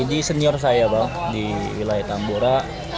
ini senior saya bang di wilayah tambora